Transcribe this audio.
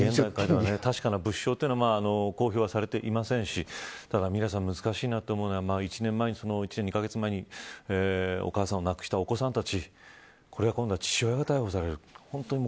確かな物証は公表されていませんしミラさん、難しいなと思うのは１年２カ月前にお母さんを亡くしたお子さんたち今度は、父親が逮捕される。